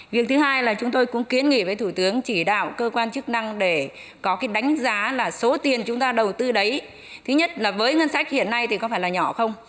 việc thứ hai là chúng tôi cũng kiến nghị với thủ tướng chỉ đạo cơ quan chức năng để có cái đánh giá là số tiền chúng ta đầu tư đấy thứ nhất là với ngân sách hiện nay thì có phải là nhỏ không